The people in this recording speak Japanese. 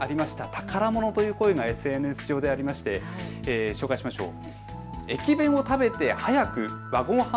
宝物という声がＳＮＳ上でありまして紹介しましょう。